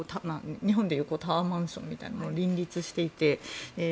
日本でいうタワーマンションみたいなものが林立していて。